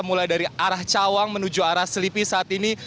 mulai dari arah cawang menuju arah selipi saat ini